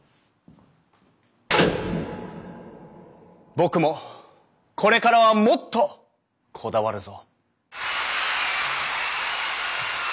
僕もこれからはもっとこだわるぞ。